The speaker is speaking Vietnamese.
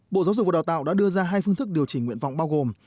bộ giáo dục và đào tạo đã đưa ra hai phương thức điều chỉnh nguyện vọng bao gồm